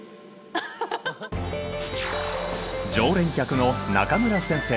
常連客の中村先生。